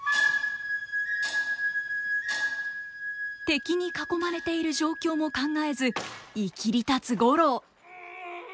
敵に囲まれている状況も考えずいきりたつ五郎。